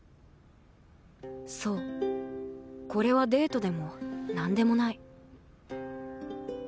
そうこれはデートでもなんでもない